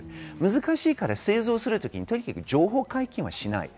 難しいから製造する時に情報解禁はしない。